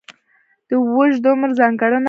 د اوږد عمر ځانګړنه.